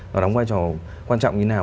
nó đóng vai trò quan trọng như thế nào